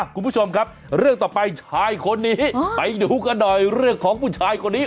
คุณผู้ชมครับเรื่องต่อไปชายคนนี้ไปดูกันหน่อยเรื่องของผู้ชายคนนี้